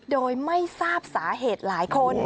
โดยไม่ทราบสาเหตุหลายคน